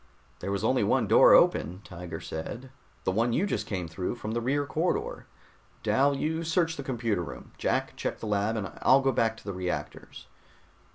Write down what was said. "There was only one door open," Tiger said. "The one you just came through, from the rear corridor. Dal, you search the computer room. Jack, check the lab and I'll go back to the reactors."